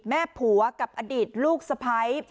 แม่ผัวกับอดีตลูกสะพ้าย